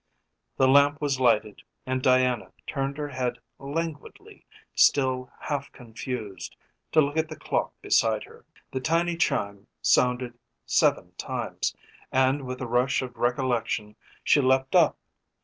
The lamp was lighted, and Diana turned her head languidly, still half confused, to look at the clock beside her. The tiny chime sounded seven times, and with a rush of recollection she leaped up.